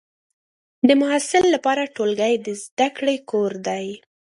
د محصل لپاره ټولګی د زده کړې کور دی.